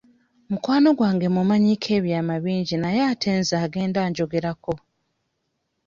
Mukwano gwange mmumanyiiko ebyama bingi naye ate nze agenda anjogerako.